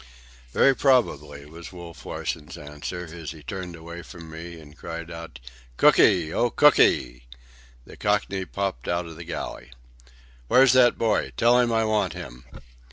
"Very probably," was Wolf Larsen's answer, as he turned partly away from me and cried out, "Cooky! Oh, Cooky!" The Cockney popped out of the galley. "Where's that boy? Tell him I want him."